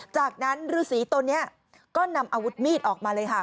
จากนั้นฤษีตัวนี้ก็นำอาวุธมีดออกมาเลยค่ะ